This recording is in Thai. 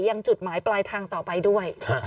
ยังจุดหมายปลายทางต่อไปด้วย